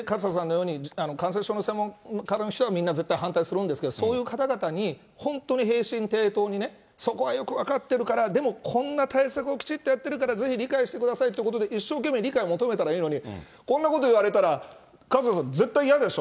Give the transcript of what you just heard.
これはやっぱり、勝田さんのように、感染症の専門家の人がみんな絶対反対するんですけど、そういう方々に、本当に平身低頭にね、そこはよく分かってるから、でもこんな対策をきちっとやってるからぜひ理解してくださいということで、一生懸命理解を求めたらいいのに、こんなこと言われたら、勝田さん、絶対嫌でしょ？